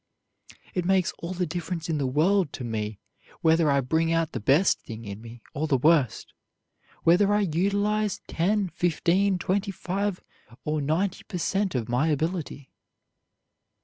It makes all the difference in the world to me whether I bring out the best thing in me or the worst, whether I utilize ten, fifteen, twenty five, or ninety per cent of my ability.